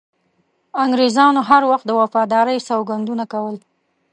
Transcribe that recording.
انګریزانو هر وخت د وفادارۍ سوګندونه کول.